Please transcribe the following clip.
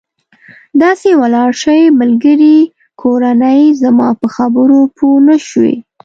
داسې ولاړ شئ، ملګري، کورنۍ، زما په خبرو پوه نه شوې.